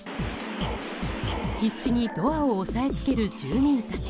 必死にドアを押さえつける住民たち。